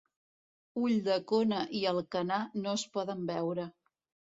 Ulldecona i Alcanar no es poden veure.